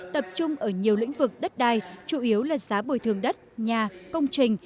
tập trung ở nhiều lĩnh vực đất đai chủ yếu là giá bồi thường đất nhà công trình